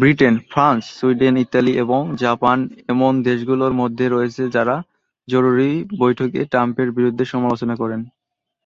Britain, France, Sweden, Italy এবং Japan এমন দেশগুলোর মধ্যে রয়েছে যারা জরুরি বৈঠকে ট্রাম্পের সিদ্ধান্তের সমালোচনা করে।